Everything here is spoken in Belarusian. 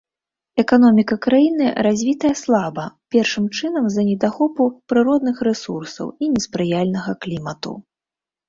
Эканоміка краіны развітая слаба, першым чынам, з-за недахопу прыродных рэсурсаў і неспрыяльнага клімату.